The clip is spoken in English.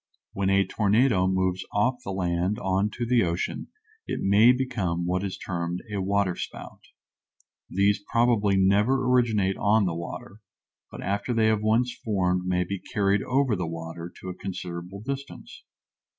When a tornado moves off the land on to the ocean it may become what is termed a waterspout. These probably never originate on the water, but after they have once formed may be carried over the water to a considerable distance.